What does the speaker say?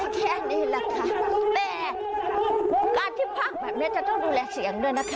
แต่การที่พักแบบนี้จะต้องดูแลเสียงด้วยนะคะ